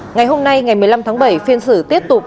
ngày hôm nay ngày một mươi năm tháng bảy phiên xử tiếp tục